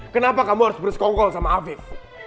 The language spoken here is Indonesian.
kenapa kamu harus bersekongkol sama afif